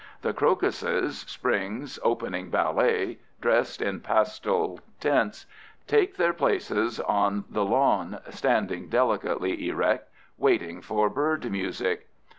The crocuses, spring's opening ballet, dressed in pastel tints, take their places on the lawn, standing delicately erect, waiting for bird music.